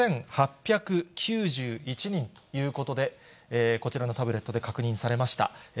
１万８８９１人ということで、こちらのタブレットで確認されました。